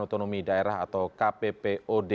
otonomi daerah atau kppod